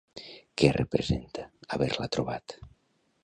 Què representa haver-la trobat?